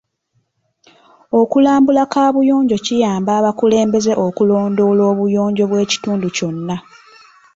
Okulambula kaabuyonjo kiyamba abakulembeze okulondoola obuyonjo bw'ekitundu kyonna.